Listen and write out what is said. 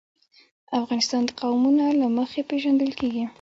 افغانستان د قومونه له مخې پېژندل کېږي.